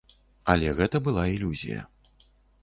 Але гэта былі ілюзія.